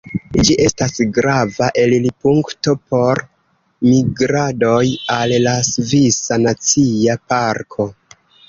Ĝi estas grava elirpunkto por migradoj al la Svisa Nacia Parko.